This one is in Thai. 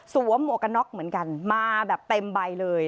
หมวกกันน็อกเหมือนกันมาแบบเต็มใบเลย